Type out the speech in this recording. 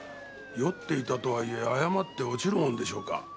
酔っていたとはいえ誤って落ちるものでしょうか？